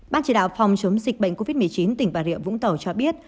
ban chỉ đạo phòng chống dịch bệnh covid một mươi chín tỉnh bà rịa vũng tàu cho biết